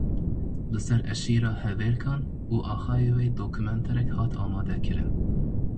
Li ser eşîra Hevêrkan û axayê wê dokumenterek hat amadekirin.